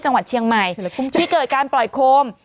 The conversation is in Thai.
จังหวัดเชียงใหม่ที่เกิดการปล่อยโคม